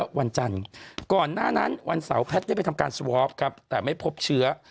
วันจันทร์ก่อนหน้านั้นวันเสาร์แพทย์ได้ไปทำการสวอปครับแต่ไม่พบเชื้อ